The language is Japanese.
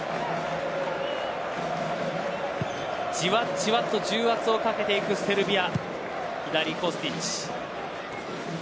じわじわと重圧をかけていくセルビア。